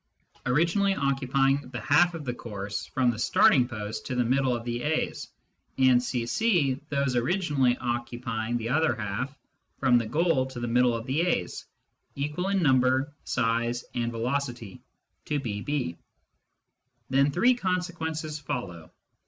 ., originally occupying the half of the course from the starting post to the middle of the A's, and C C ... those originally occupying the other half from the goal to the middle of the A's, equal in number, size, and velocity, to B B ... Then three consequences follow.